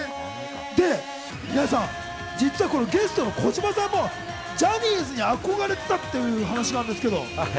で、皆さん、実はゲストの児嶋さんもジャニーズに憧れてたっていう話なんですけど。